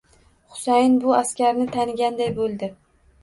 Husayin bu askarni taniganday bo'ldi.